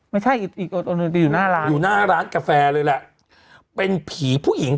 ไม่ใช่อีกตัวหนึ่งที่อยู่หน้าร้านอยู่หน้าร้านกาแฟเลยแหละเป็นผีผู้หญิง